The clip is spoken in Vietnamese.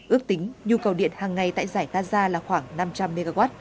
ước tính nhu cầu điện hàng ngày tại giải gaza là khoảng năm trăm linh mw